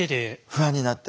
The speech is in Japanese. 不安になって。